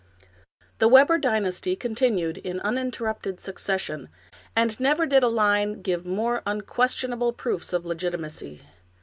The Webber dynasty continued in uninterrupted succes sion, and never did a line give more unquestionable proofs of legitimacy.